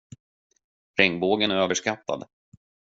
Regnbågen är överskattad.